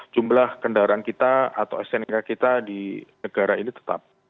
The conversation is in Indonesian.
jumlah kendaraan kita atau snk kita di negara ini tetap